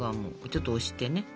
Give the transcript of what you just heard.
ちょっと押してね。